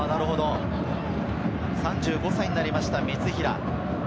３５歳になりました、三平。